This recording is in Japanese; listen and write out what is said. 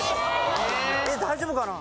大丈夫かな？